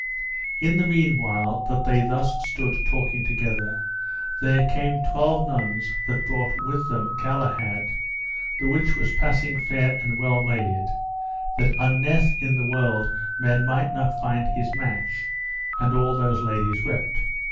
In the meanwhile that they thus stood talking together, therein came twelve nuns that brought with them Galahad, the which was passing fair and well made, that unnethe in the world men might not find his match: and all those ladies wept.